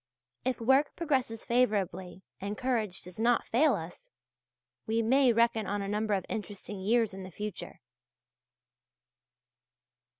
If work progresses favourably and courage does not fail us, we may reckon on a number of interesting years in the future.